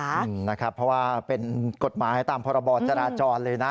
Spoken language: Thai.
อืมนะครับเพราะว่าเป็นกฎหมายตามพรบรจราจรเลยนะ